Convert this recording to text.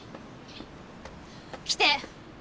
来て！